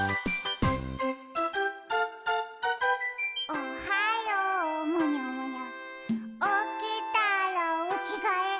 「おはようむにゃむにゃおきたらおきがえ」